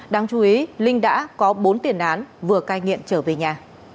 đáng chú ý linh đã có bốn tiền án vừa cai nghiện trở về nhà